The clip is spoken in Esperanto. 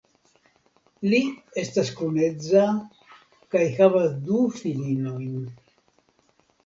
Li estas kunedza kaj havas du filinojn.